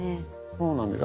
そうなんです。